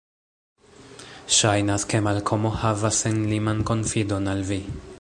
Ŝajnas, ke Malkomo havas senliman konfidon al vi.